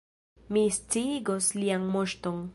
Mi sciigos Lian Moŝton.